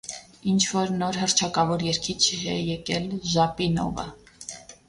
- Ինչ-որ նոր հռչակավոր երգիչ է եկել, Ժապինովը: